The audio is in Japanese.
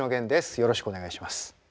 よろしくお願いします。